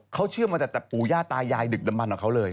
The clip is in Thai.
เขาเชื่อมาแต่ปู่ย่าตายายดึกดำมันของเขาเลย